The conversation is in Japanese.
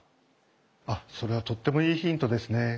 あっそれはとってもいいヒントですね。